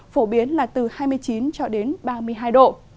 phổ biến là từ hai mươi chín ba mươi hai độ